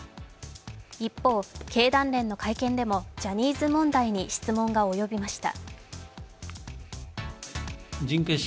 一方、経団連の会見でもジャニーズ問題に質問が及びました。